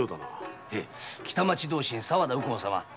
北町同心・沢田右近様。